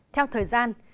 theo thời gian